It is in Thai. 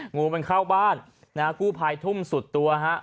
งูมันเข้าบ้านกู้ภัยทุ่มสุดตัว